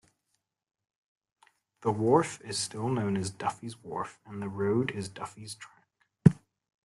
The wharf is still known as Duffys Wharf and the road is Duffys Track.